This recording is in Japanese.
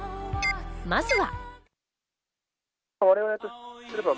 まずは。